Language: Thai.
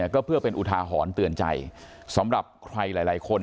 ก็เพื่อเป็นอุทาหรณ์เตือนใจสำหรับใครหลายคน